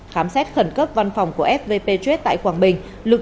khám xét khẩn cấp văn phòng của fvp grade tại quảng bình